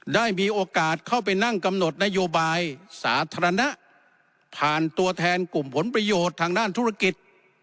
ได้มีโอกาสเข้าไปนั่งกำหนดนโยบายสาธารณะผ่านตัวแทนกลุ่มผลประโยชน์ทางด้านธุรกิจ